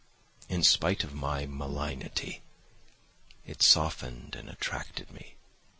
In spite of my malignity, it softened and attracted me.